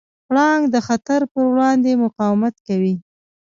پړانګ د خطر پر وړاندې مقاومت کوي.